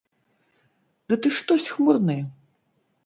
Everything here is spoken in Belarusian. Ды ты штось хмурны?